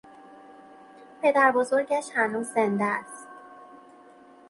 پدر بزرگش هنوز زنده است.